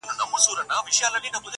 ته مي کله هېره کړې يې.